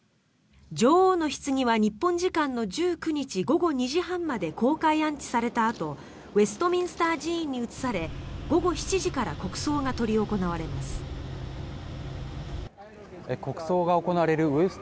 女王のひつぎは日本時間の１９日午後２時半まで公開安置されたあとウェストミンスター寺院に移され午後７時から国葬が執り行われます。